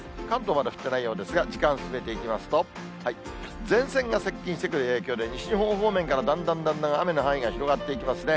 まだ降ってないようですが、時間進めていきますと、前線が接近してくる影響で、西日本方面から、だんだんだんだん雨の範囲が広がっていきますね。